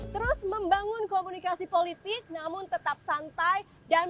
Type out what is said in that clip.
terus membangun komunikasi politik namun tetap santai dan